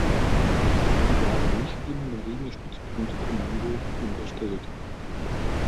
Sie waren nicht dem Marinestützpunktkommando unterstellt.